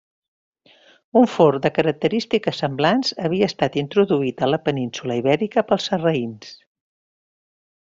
Un forn de característiques semblants havia estat introduït a la península Ibèrica pels sarraïns.